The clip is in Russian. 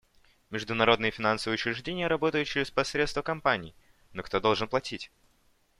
Международные финансовые учреждения работают через посредство компаний, но кто должен платить?